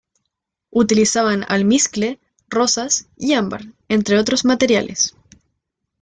Utilizaban almizcle, rosas y ámbar, entre otros materiales.